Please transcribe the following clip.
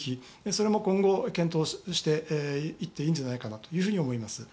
それも今後、検討していっていいんじゃないかと思います。